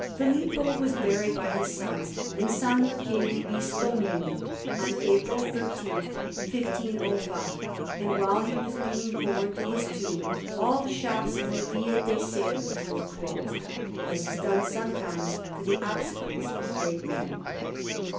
Filippo was buried by his sons in S. Michele Bisdomini, on April 13, 1505; and while he was being borne to his tomb all the shops in the Via de' Servi were closed, as is done sometimes for the obsequies of great men.